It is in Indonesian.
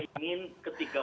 saya ingin ketiga